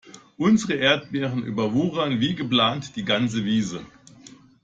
Unsere Erdbeeren überwuchern wie geplant die ganze Wiese.